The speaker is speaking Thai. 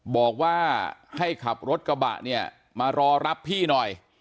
บอกว่าให้ขับรถกระบะเนี่ยมารอรับพี่หน่อย